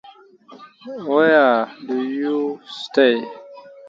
The second is an orthogonal line passing through the centroid of the chosen face.